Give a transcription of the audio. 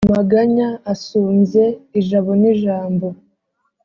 amaganya asumbye ijabo n’ijambo !